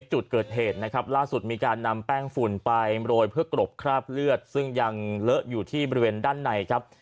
จุดเกิดเหตุนะครับล่าสุดมีการนำแป้งฝุ่นไปโรยเพื่อกรบคราบเลือดซึ่งยังเลอะอยู่ที่บริเวณด้านในครับ